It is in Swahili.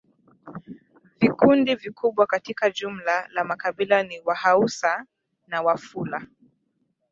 Vikundi vikubwa katika jumla la makabila ni Wahausa na Wafula